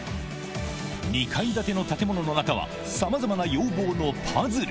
２階建ての建物の中はさまざまな要望のパズル